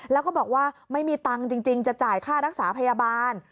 แล้วก็บอกว่าไม่มีตังค์จริงจะจ่ายค่ารักษาพยาบาล